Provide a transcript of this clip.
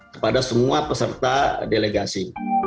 kepada semua peserta delegasi